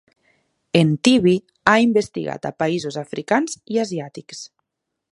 En Tibi ha investigat a països africans i asiàtics.